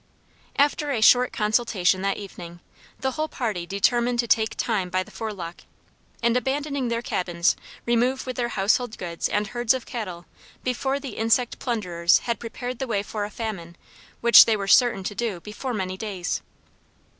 After a short consultation that evening, the whole party determined to take time by the forelock, and abandoning their cabins remove with their household goods and herds of cattle before the insect plunderers had prepared the way for a famine which they were certain to do before many days.